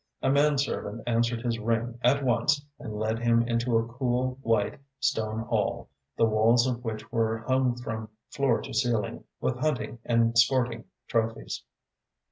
A manservant answered his ring at once and led him into a cool, white stone hall, the walls of which were hung from floor to ceiling with hunting and sporting trophies.